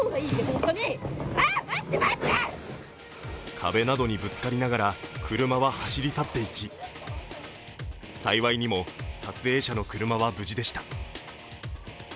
壁などにぶつかりながら車は走り去っていき、幸いにも撮影者の車は無事でした。